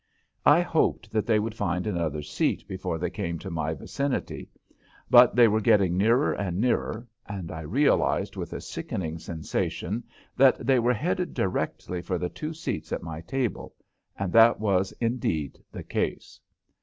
I hoped that they would find another seat before they came to my vicinity, but they were getting nearer and nearer, and I realized with a sickening sensation that they were headed directly for the two seats at my table, and that was indeed the case.